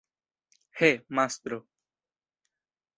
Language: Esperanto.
He, mastro!